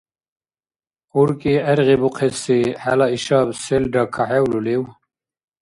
УркӀи гӀергъибухъеси хӀела ишаб селра кахӀевлулив?